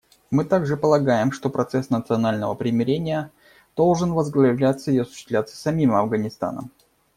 Мы также полагаем, что процесс национального примирения должен возглавляться и осуществляться самим Афганистаном.